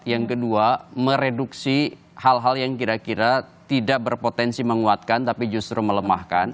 yang kedua mereduksi hal hal yang kira kira tidak berpotensi menguatkan tapi justru melemahkan